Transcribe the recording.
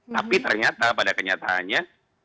tapi ternyata pada kenyataannya